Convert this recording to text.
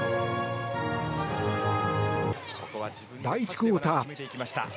第１クオーター。